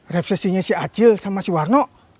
refleksinya si acil sama si warno